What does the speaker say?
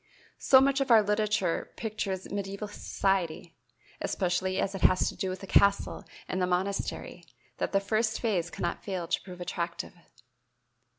So much of our literature pictures medieval society, especially as it has to do with the castle and the monastery, that the first phase cannot fail to prove attractive.